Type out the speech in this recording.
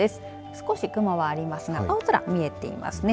少し雲はありますが青空、見えていますね。